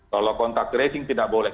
kalau kontak tracing tidak boleh